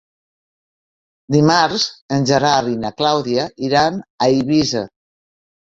Dimarts en Gerard i na Clàudia iran a Eivissa.